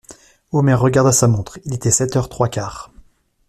Omer regarda sa montre: il était sept heures trois quarts.